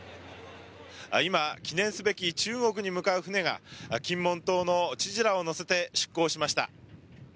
今、記念すべき中国に向かう船が金門島の知事らを乗せて出港しました。